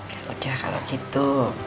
yaudah kalau gitu